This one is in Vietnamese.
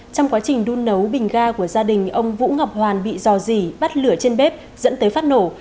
trong quá trình đun nấu bình ga của gia đình ông vũ ngọc hoàn bị dò dỉ bắt lửa trên bếp dẫn tới phát nổ